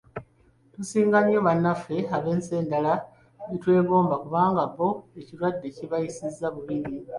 Tusinga nnyo bannaffe ab'ensi endala be twegomba kubanga bbo ekirwadde kibayisiza bubi nnyo.